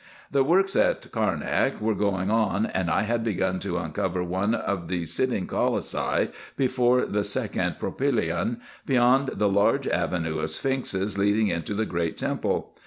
The works in Carnak were going on, and I had begun to uncover one of the sitting colossi before the second propylason, beyond the large avenue of sphinxes leading into the great temple.